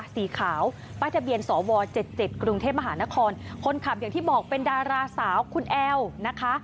สีขาวป้ายทะเบียนสว๗๗กรุงเทพมหานครคนขับอย่างที่บอกเป็นดาราสาวคุณแอลนะคะ